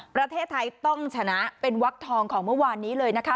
ประเทศไทยต้องชนะเป็นวักทองของเมื่อวานนี้เลยนะคะ